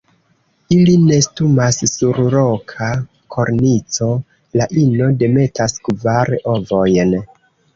Ili nestumas sur roka kornico; la ino demetas kvar ovojn.